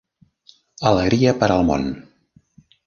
Alegria per al món.